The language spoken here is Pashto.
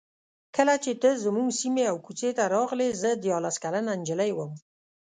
کله چې ته زموږ سیمې او کوڅې ته راغلې زه دیارلس کلنه نجلۍ وم.